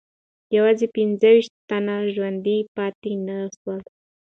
یوازې پنځه ویشت تنه ژوندي پاتې نه سول.